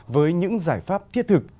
với những giải pháp thiết thực